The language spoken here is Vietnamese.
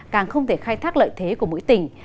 càng không thể khai thác lợi thế của mỗi tỉnh